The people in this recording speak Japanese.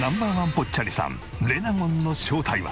ぽっちゃりさんレナゴンの正体は？